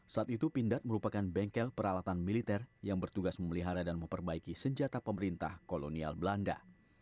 saat itu pindad merupakan bengkel peralatan militer yang bertugas memelihara dan memperbaiki senjata pemerintah kolonial belanda